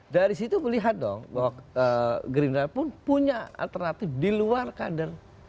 dari situ melihat dong bahwa gerindra pun punya alternatif di luar kader